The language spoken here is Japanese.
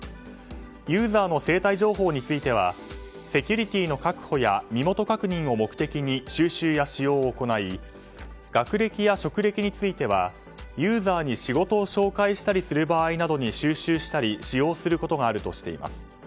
ユーザーの生体情報についてはセキュリティーの確保や身元確認を目的に収集や使用を行い学歴や職歴についてはユーザーに仕事を紹介したりする場合などに収集したり使用することがあるとしています。